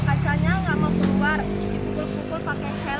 kacanya gak mau keluar dipukul pukul pakai helm